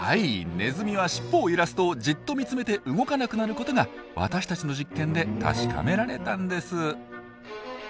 ネズミはしっぽを揺らすとじっと見つめて動かなくなることが私たちの実験で確かめられたんです。